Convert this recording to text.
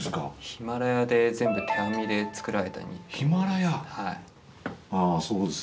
ヒマラヤで全部手編みで作られたニットです。